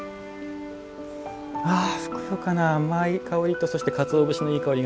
ふくよかな甘い香りとかつお節のいい香り。